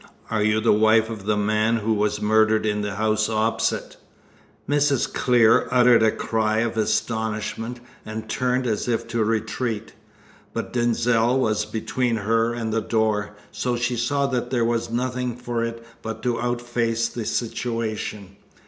Are you the wife of the man who was murdered in the house opposite?" Mrs. Clear uttered a cry of astonishment, and turned as if to retreat. But Denzil was between her and the door, so she saw that there was nothing for it but to outface the situation.